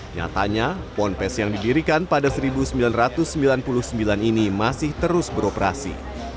nyatanya ponpes yang didirikan pada seribu sembilan ratus sembilan puluh sembilan ini masih terus beroperasi